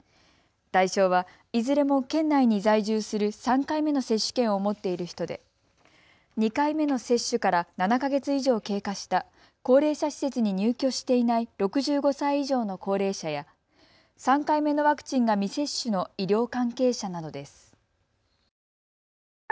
対象は、いずれも県内に在住する３回目の接種券を持っている人で２回目の接種から７か月以上経過した高齢者施設に入居していない６５歳以上の高齢者や３回目のワクチンが未接種の医療関係者などです。